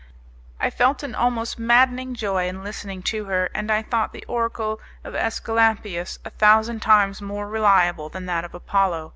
I felt an almost maddening joy in listening to her, and I thought the oracle of AEsculapius a thousand times more reliable than that of Apollo.